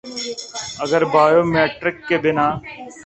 اگر biometric کے بنا